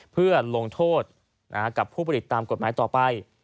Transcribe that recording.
เพื่อลงโทษกับผู้ผลิตตามกฎหมายต่อไป